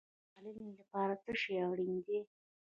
د درملنې لپاره څه شی اړین دی؟